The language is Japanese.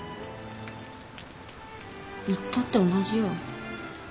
行ったって同じよ。